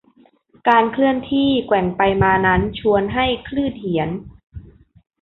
การเคลื่อนที่แกว่งไปมานั้นชวนให้คลื่นเหียน